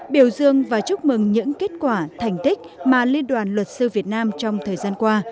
biểu dương và chúc mừng những kết quả thành tích mà liên đoàn luật sư việt nam trong thời gian qua